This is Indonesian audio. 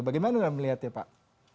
bagaimana anda melihat ya pak